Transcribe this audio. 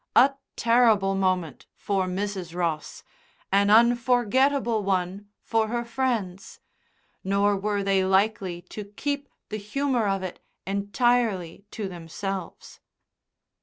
A terrible moment for Mrs. Ross, an unforgettable one for her friends; nor were they likely to keep the humour of it entirely to themselves.